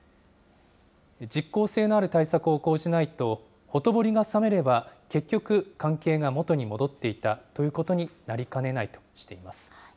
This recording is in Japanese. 実効性のある対策を講じないと、ほとぼりが冷めれば、結局関係が元に戻っていたということになりかねないとしています。